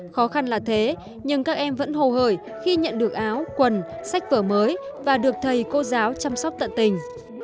khó khăn là thế nhưng các em vẫn hồ hời khi nhận được áo quần sách vở mới và được thầy cô giáo chăm sóc tận tình